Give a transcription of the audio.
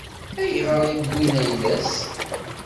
Ayɣer i wwin ayla-s?